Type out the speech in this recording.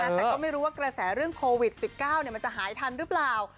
แต่ก็ไม่รู้ว่ากระแสเรื่องโควิด๑๙มันจะหายทันหรือเปล่า